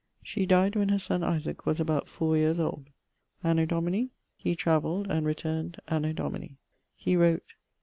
She died when her sonne Isaac was about fower yeares old. Anno Domini ... he travelled, and returned, anno Domini.... He wrote....